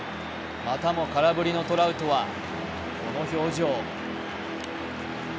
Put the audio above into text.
またも空振りのトラウトは、この表情。